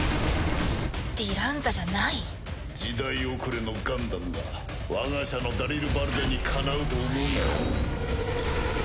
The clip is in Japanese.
ディランザじゃない？時代遅れのガンダムが我が社のダリルバルデにかなうと思うなよ。